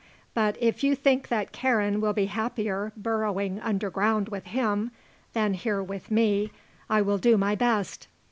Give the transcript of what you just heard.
But if you think that Karen will be happier burrowing underground with him than here with me, I will do my best.